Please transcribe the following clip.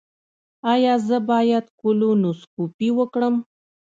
ایا زه باید کولونوسکوپي وکړم؟